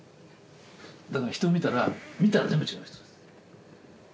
だから人を見たら見たら全部違う人です。